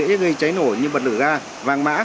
dễ gây cháy nổ như bật lửa ga vàng mã